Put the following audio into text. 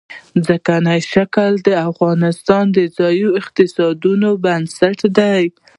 ځمکنی شکل د افغانستان د ځایي اقتصادونو بنسټ دی.